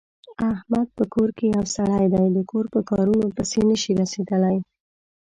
احمد په کور کې یو سری دی، د کور په کارنو پسې نشي رسېدلی.